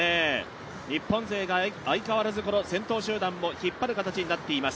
日本勢が相変わらず先頭集団を引っ張る形になっています。